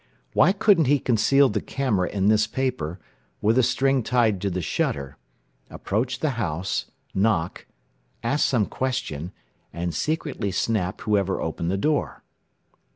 Why couldn't he conceal the camera in this paper, with a string tied to the shutter; approach the house, knock, ask some question, and secretly snap whoever opened the door?